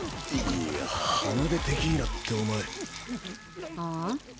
いや鼻でテキーラってお前。